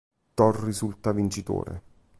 Thor risulta vincitore.